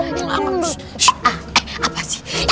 shhh eh apa sih